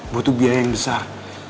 butuh biaya yang besar